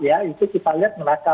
ya itu kita lihat menakar